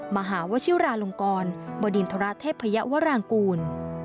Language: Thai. มหาวชิวราหลงกรบดินธราชเทพพระยะวรางกูล